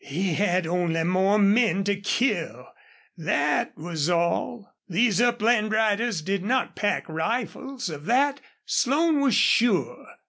He had only more men to kill that was all. These upland riders did not pack rifles, of that Slone was sure.